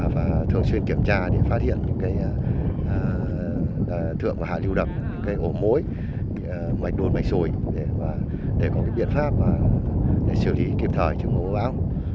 và thường xuyên kiểm tra để phát hiện những thượng hạ lưu đập hồ mối mạch đồn mạch sồi để có biện pháp để xử lý kịp thời trong mùa mưa bão